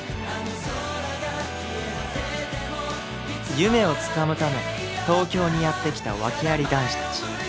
夢をつかむため東京にやって来たワケあり男子たち